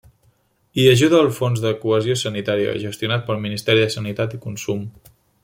Hi ajuda el Fons de Cohesió Sanitària, gestionat pel Ministeri de Sanitat i Consum.